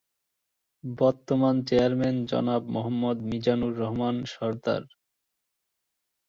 বর্তমান চেয়ারম্যান-জনাব মোহাম্মদ মিজানুর রহমান সরদার।